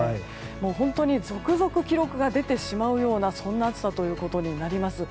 本当に続々記録が出てしまうようなそんな暑さとなります。